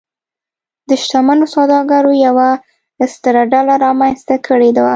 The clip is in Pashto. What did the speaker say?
د شتمنو سوداګرو یوه ستره ډله رامنځته کړې وه.